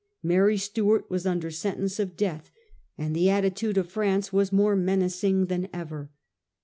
Mary Stuart was under sentence of death, and the attitude of France was more menacing than ever.